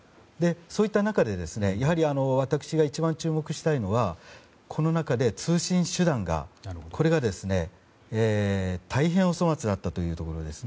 そういった中で私が一番注目したいのはこの中で通信手段が大変お粗末だったというところです。